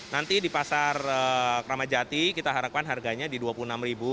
nanti di pasar kramajati kita harapkan harganya di rp dua puluh enam